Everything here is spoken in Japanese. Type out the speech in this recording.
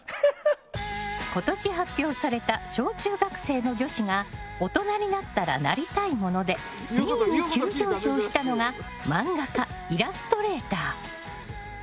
今年発表された小中学生の女子が大人になったらなりたいもので２位に急上昇したのが漫画家・イラストレーター。